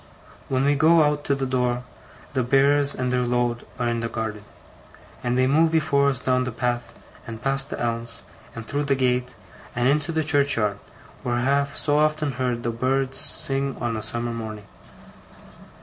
When we go out to the door, the Bearers and their load are in the garden; and they move before us down the path, and past the elms, and through the gate, and into the churchyard, where I have so often heard the birds sing on a summer morning.